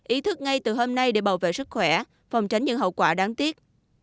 ý thức ngay từ hôm nay để bảo vệ sức khỏe phòng tránh những hậu quả đáng tiếc